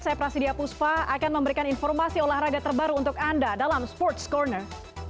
saya prasidya puspa akan memberikan informasi olahraga terbaru untuk anda dalam sports corner